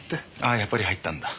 あやっぱり入ったんだ。